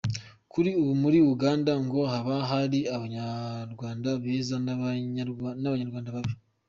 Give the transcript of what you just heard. Kuri ubu muri Uganda ngo haba hari Abanyarwanda beza n’Abanyarwanda babi